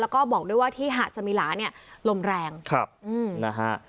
แล้วก็บอกด้วยว่าที่หาดสมิลาเนี่ยลมแรงครับอืมนะฮะ